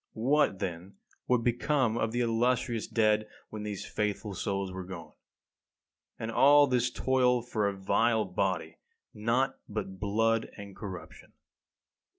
What, then, would become of the illustrious dead when these faithful souls were gone? And all this toil for a vile body, naught but blood and corruption!